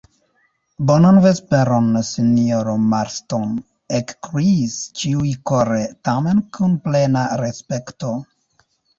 Bonan vesperon, sinjoro Marston, ekkriis ĉiuj kore, tamen kun plena respekto.